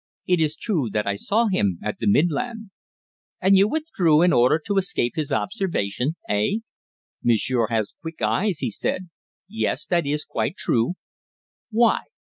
It is true that I saw him at the Midland." "And you withdrew in order to escape his observation eh?" "Monsieur has quick eyes," he said. "Yes, that is quite true." "Why?"